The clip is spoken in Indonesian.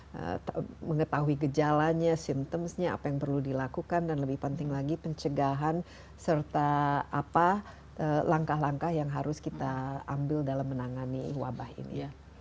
jadi mengetahui gejalanya symptomsnya apa yang perlu dilakukan dan lebih penting lagi pencegahan serta apa langkah langkah yang harus kita ambil dalam menangani wabah ini